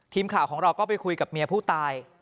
ทีมข่าวของเราก็ไปคุยกับเมียผู้ตาย